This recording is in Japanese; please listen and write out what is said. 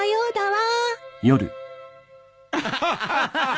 アハハハ。